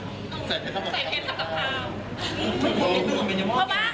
ใส่เทศกภาพ